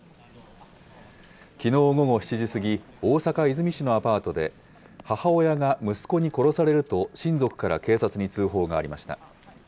きのう午後７時過ぎ、大阪・和泉市のアパートで、母親が息子に殺されると、親族から警察に通報がありました。